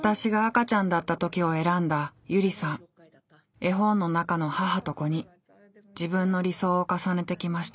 絵本の中の母と子に自分の理想を重ねてきました。